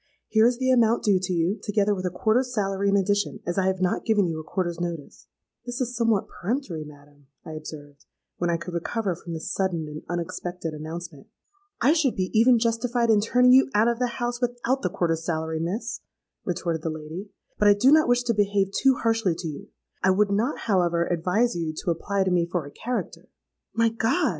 Here is the amount due to you, together with a quarter's salary in addition, as I have not given you a quarter's notice.'—'This is somewhat peremptory, madam,' I observed, when I could recover from this sudden and unexpected announcement.—'I should be even justified in turning you out of the house, without the quarter's salary, Miss,' retorted the lady: 'but I do not wish to behave too harshly to you; I would not, however, advise you to apply to me for a character.'—'My God!'